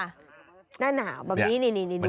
นนาหนาวแบบนี้นี่นี่ดู